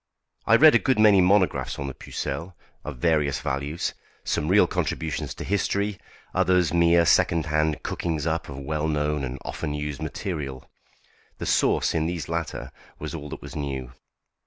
I read a good many monographs on the Pucelle, of various values; some real contributions to history, others mere second hand cookings up of well known and often used material. The sauce in these latter was all that was new.